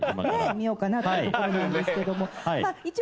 見ようかなってところなんですけども。